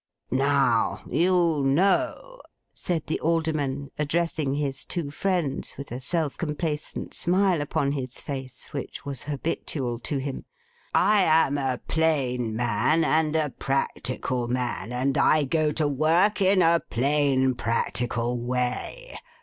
'Now, you know,' said the Alderman, addressing his two friends, with a self complacent smile upon his face which was habitual to him, 'I am a plain man, and a practical man; and I go to work in a plain practical way.